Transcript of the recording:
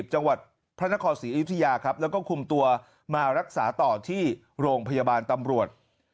จังหวัดพระนครศรีอยุธยาครับแล้วก็คุมตัวมารักษาต่อที่โรงพยาบาลตำรวจ